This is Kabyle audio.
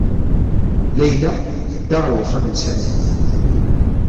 Layla tedda ɣer uxxam n Sami.